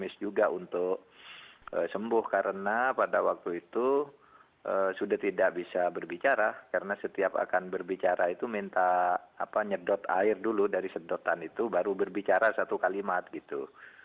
ini sudah tidak bisa berbicara karena setiap akan berbicara itu minta nyedot air dulu dari sedotan itu baru berbicara satu kalimat gitu